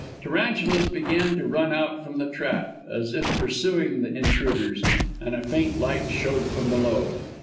Tarantulas began to run out from the trap, as if pursuing the intruders, and a faint light showed from below.